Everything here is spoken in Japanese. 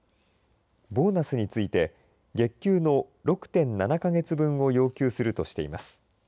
ボーナスについて月給の６．７か月分を要求するとしています。